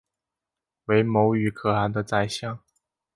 为牟羽可汗的宰相。